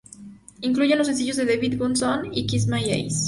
Incluye los sencillos "The Beat Goes On" y "Kiss My Eyes".